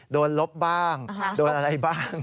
ลบบ้างโดนอะไรบ้าง